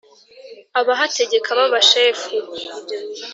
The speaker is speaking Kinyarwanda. Abahategekaga b'abashefu